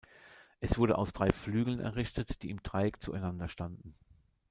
Es wurde aus drei Flügeln errichtet, die im Dreieck zueinander standen.